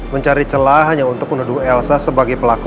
mencari celah hanya untuk menuduh elsa sebagai pelaku